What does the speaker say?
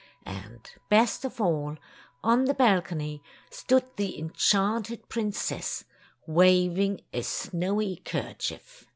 And best of all, on the balcony stood the enchanted princess, wav ing a snowy kerchief.